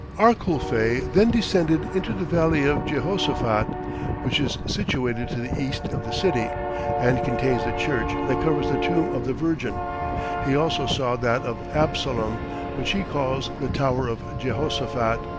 Arculphe then descended into the Valley of Jehoshaphat, which is situated to the east of the city, and contains the church that covers the tomb of the Virgin; he also saw that of Absalom, which he calls the Tower of Jehoshaphat.